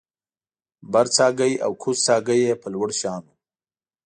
برڅاګی او کوزڅاګی یې په لوړ شان و